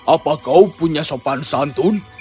apa kau punya sopan santun